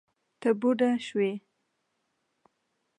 ته بوډه شوې